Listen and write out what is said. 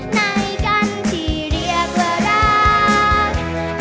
ในกันที่เรียกว่ารัก